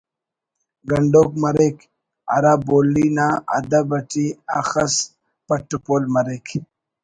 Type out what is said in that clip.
گنڈوک مریک ہرا بولی نا ادب اٹی اخس پٹ پول مریک